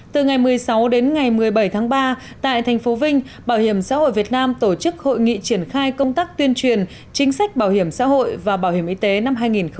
từ ngày một mươi sáu đến ngày một mươi bảy tháng ba tại thành phố vinh bảo hiểm xã hội việt nam tổ chức hội nghị triển khai công tác tuyên truyền chính sách bảo hiểm xã hội và bảo hiểm y tế năm hai nghìn hai mươi